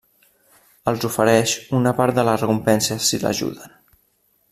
Els ofereix una part de la recompensa si l'ajuden.